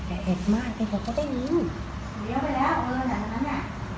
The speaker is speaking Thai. แอดมากเธอเขาได้ยินเดี๋ยวไปแล้วเออแบบนั้นอ่ะ